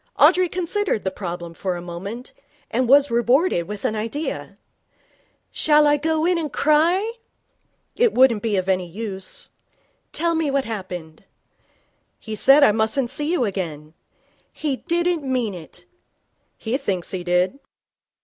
Audrey considered the problem for a moment, and was rewarded with an idea. 'Shall I go in and cry?' 'It wouldn't be of any use.' 'Tell me what happened.' 'He said I mustn't see you again.' 'He didn't mean it.' 'He thinks he did.'